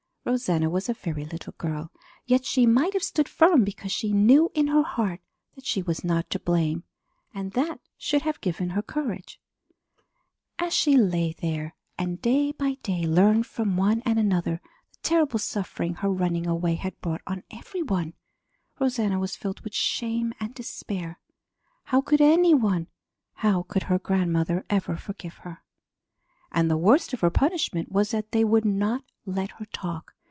Rosanna was a very little girl, yet she might have stood firm because she knew in her heart that she was not to blame and that should have given her courage. As she lay there and day by day learned from one and another the terrible suffering her running away had brought on every one, Rosanna was filled with shame and despair. How could any one, how could her grandmother ever forgive her? And the worst of her punishment was that they would not let her talk.